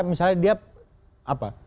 misalnya dia apa